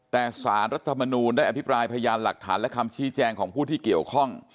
แต่สารรัฐมนูลได้อภิปรายพยานหลักฐานและคำชี้แจงของผู้ที่เกี่ยวข้อง